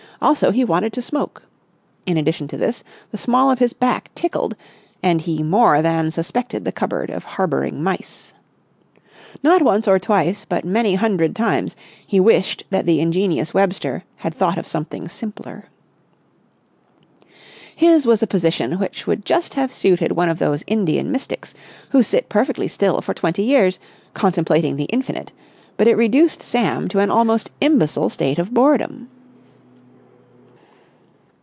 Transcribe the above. Also he wanted to smoke. In addition to this, the small of his back tickled, and he more than suspected the cupboard of harbouring mice. Not once or twice but many hundred times he wished that the ingenious Webster had thought of something simpler. His was a position which would just have suited one of those Indian mystics who sit perfectly still for twenty years, contemplating the Infinite, but it reduced Sam to an almost imbecile state of boredom.